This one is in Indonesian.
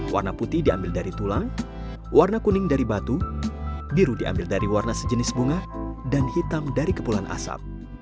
warna putih diambil dari tulang warna kuning dari batu biru diambil dari warna sejenis bunga dan hitam dari kepulan asap